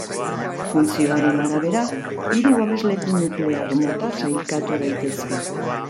Funtzioaren arabera hiru babesleku nuklear mota sailkatu daitezke.